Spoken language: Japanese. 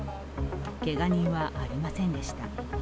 けが人はありませんでした。